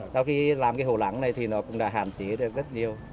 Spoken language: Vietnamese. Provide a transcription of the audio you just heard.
sau khi làm cái hồ lắng này thì nó cũng đã hạn chế được rất nhiều